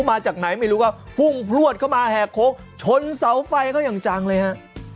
มาจากไหนไม่รู้ก็พุ่งพลวดเข้ามาแหกโค้งชนเสาไฟเขาอย่างจังเลยฮะ